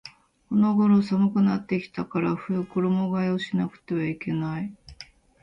この頃寒くなってきたから衣替えをしなくてはいけない